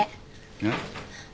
えっ？